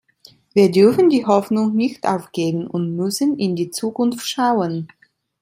Wir dürfen die Hoffnung nicht aufgeben und müssen in die Zukunft schauen.